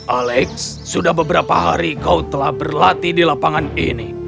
alex sudah beberapa hari kau telah berlatih di lapangan ini